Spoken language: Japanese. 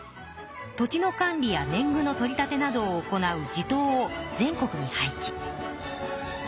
土地の管理や年ぐの取り立てなどを行う地頭を全国に配置。